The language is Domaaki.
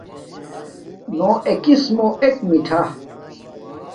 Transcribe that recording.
نݸ اݵکِسمݸ اݵک مِٹھݳ.